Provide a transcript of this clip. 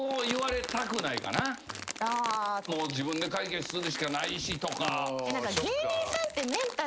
自分で解決するしかないしとか。